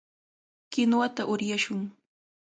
Kinuwata uryashun.